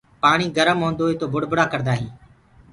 پآڻي گرم هوندو هي تو بُڙبُڙآ ڪڙدآ هينٚ۔